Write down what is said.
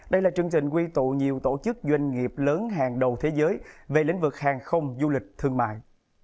đây là chương trình quy tụ nhiều tổ chức doanh nghiệp lớn hàng đầu thế giới về lĩnh vực hàng không du lịch thương mại